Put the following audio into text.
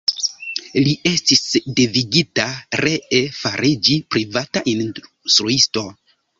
Li estis devigita ree fariĝi privata instruisto.